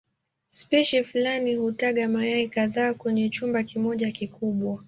Spishi fulani hutaga mayai kadhaa kwenye chumba kimoja kikubwa.